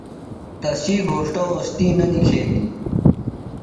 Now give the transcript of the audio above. تسی گھوݜٹہ اوستی نہ نِکھیندیۡ۔